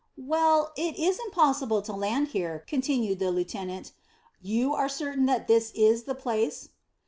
"Well, it is impossible to land here," continued the lieutenant. "You are certain that this is the place?"